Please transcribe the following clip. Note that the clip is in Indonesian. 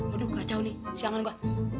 waduh kacau nih siangan kok